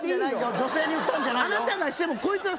女性に言ったんじゃないよ